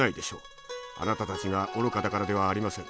あなたたちが愚かだからではありません。